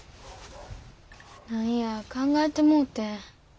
何や考えてもうてん。